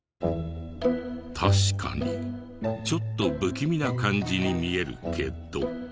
確かにちょっと不気味な感じに見えるけど。